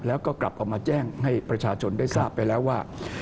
แล้วก็กลับออกมาแจ้งให้ประชาชนได้ทราบไปแล้วว่า